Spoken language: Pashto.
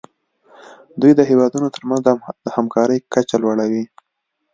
دوی د هیوادونو ترمنځ د همکارۍ کچه لوړوي